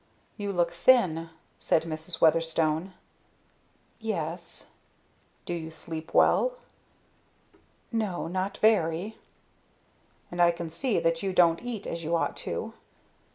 "You look thin," said Mrs. Weatherstone. "Yes " "Do you sleep well?" "No not very." "And I can see that you don't eat as you ought to.